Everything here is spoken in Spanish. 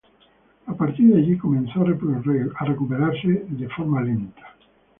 A partir de allí empezó a recuperarse en forma lenta.